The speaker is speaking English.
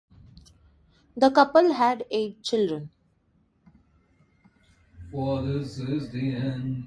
The couple had eight children.